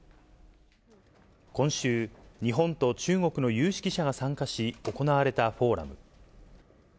今週、日本と中国の有識者が参加し、行われたフォーラム。